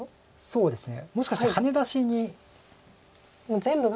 そうですね。